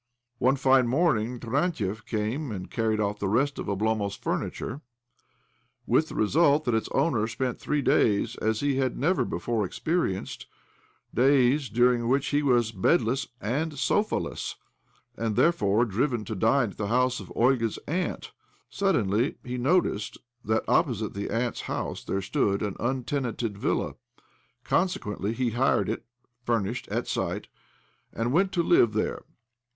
... One fine morning Tarantiev came and carried off the rest of Oblomov's furniture; with the result that its owner spent three such days as he had never before experienced — days during which he was bedless and sofa less, and therefore driven to dine at the house of Olga's aunt. Suddenly he noticed that opposite the aunt's house there stood 1 66 OBLOMOV an untenanted villa. Consequently he hired it ( furnished) at sight, and went to live there.